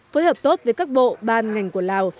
phối hợp tốt với các bộ ban ngành của lào